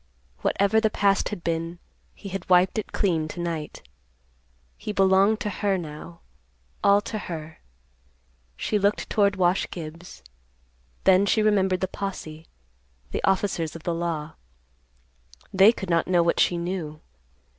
Whatever the past had been, he had wiped it clean to night. He belonged to her now, all to her. She looked toward Wash Gibbs. Then she remembered the posse, the officers of the law. They could not know what she knew.